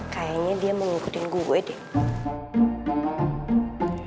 kayaknya dia mau ngikutin gue deh